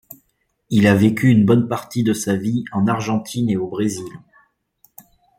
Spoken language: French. Il a vécu une bonne partie de sa vie en Argentine et au Brésil.